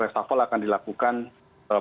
resafel akan dilakukan pekerjaan